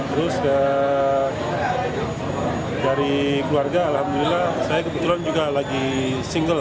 terus dari keluarga alhamdulillah saya kebetulan juga lagi single